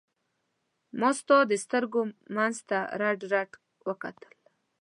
ما ستا د سترګو منځ ته رډ رډ وکتل.